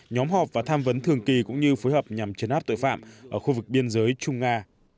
nhóm họp và tham vấn thường kỳ cũng như phối hợp nhằm chấn áp tội phạm ở khu vực biên giới trung nga